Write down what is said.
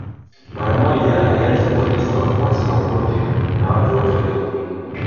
Mara moja alianza kuwatesa wafuasi wa Obote na watu wote waliompinga